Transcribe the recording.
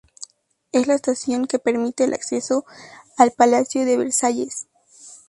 Es la estación que permite el acceso al Palacio de Versalles.